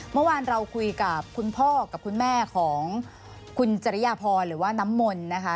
เมื่อวานเราคุยกับคุณพ่อกับคุณแม่ของคุณจริยพรหรือว่าน้ำมนต์นะคะ